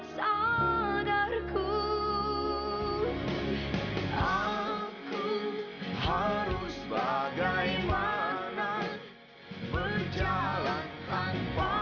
sini udah mengulang ya